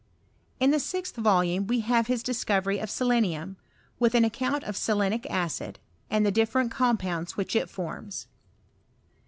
In the sixth volume we have his discovery of sele nium, with an account of selenic acid, and the dil feient compounds which it forms.